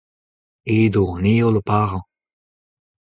edo an heol o parañ.